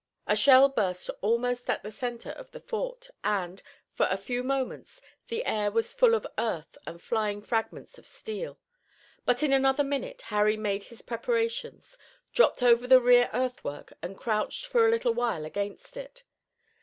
A shell burst almost at the center of the fort, and, for a few moments, the air was full of earth and flying fragments of steel. But in another minute Harry made his preparations, dropped over the rear earthwork and crouched for a little while against it.